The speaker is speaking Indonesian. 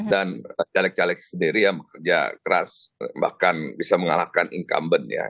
dan caleg caleg sendiri yang bekerja keras bahkan bisa mengalahkan incumbent ya